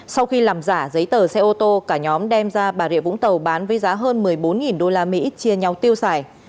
sau khi làm giả giấy tờ xe ô tô cả nhóm đem ra bà rịa vũng tàu bán với giá hơn một mươi bốn usd chia nhau tiêu xài